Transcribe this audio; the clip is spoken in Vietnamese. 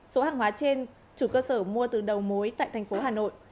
số hàng hóa trên chủ cơ sở mua từ đầu mối tại tp hà nội